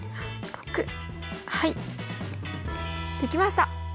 はいできました！